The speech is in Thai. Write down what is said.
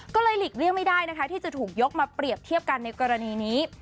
ก็เลยหลีกเลี่ยงไม่ได้นะคะที่จะถูกยกมาเปรียบเทียบกันในกรณีนี้